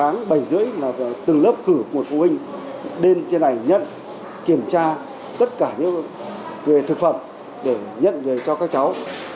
mỗi buổi sáng bảy h ba mươi là từng lớp cửa của phụ huynh đến trên này nhận kiểm tra tất cả những thực phẩm để nhận về cho các cháu